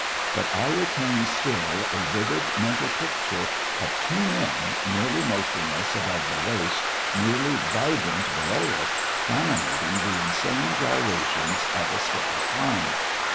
But I retain still a vivid mental picture of two men nearly motionless above the waist, nearly vibrant below it, dominating the insane gyrations of a stick of pine.